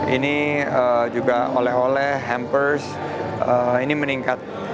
ini juga oleh oleh hampers ini meningkat